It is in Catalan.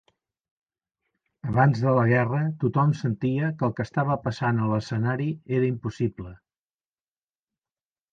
"Abans de la guerra, tothom sentia que el que estava passant a l'escenari era impossible.